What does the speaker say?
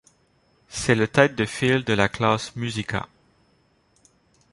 C'est le tête de file de la classe Musica.